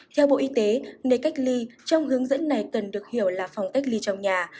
theo bộ y tế nơi cách ly trong hướng dẫn này cần được hiểu là phòng cách ly trong nhà